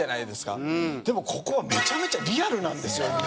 でもここはめちゃめちゃリアルなんですよ